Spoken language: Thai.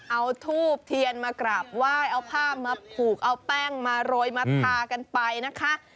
เอาทูบเทียนมากราบไหว้เอาผ้ามาผูกเอาแป้งมาโรยมาทากันไปนะคะ